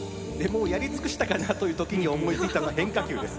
もうやり尽くしたかなという時に思いついた変化球です。